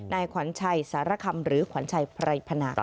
นายขวัญชัยสารคำหรือขวัญชัยไพรพนาค่ะ